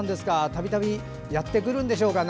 たびたびやってくるんでしょうか。